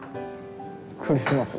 クリスマスが？